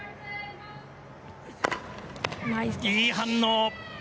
いい反応。